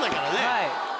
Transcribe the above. はい。